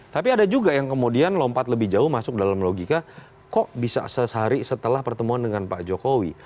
tapi ada juga yang kemudian lompat lebih jauh masuk dalam logika kok bisa sehari setelah pertemuan dengan pak jokowi